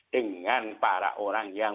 dengan para orang yang